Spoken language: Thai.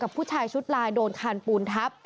ผู้ชายชุดลายโดนคานปูนทับ